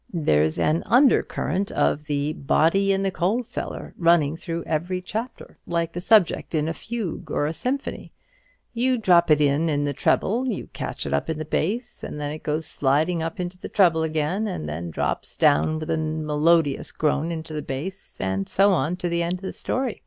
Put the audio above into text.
There's an undercurrent of the body in the coal cellar running through every chapter, like the subject in a fugue or a symphony. You drop it in the treble, you catch it up in the bass; and then it goes sliding up into the treble again, and then drops down with a melodious groan into the bass; and so on to the end of the story.